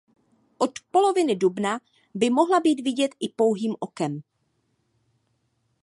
Od poloviny dubna by mohla být vidět i pouhým okem.